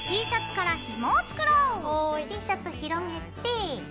Ｔシャツ広げて。